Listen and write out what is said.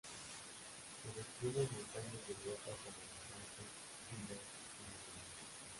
Se distribuye en montañas de Europa como los Alpes y los Pirineos.